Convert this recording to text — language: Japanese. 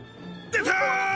出た！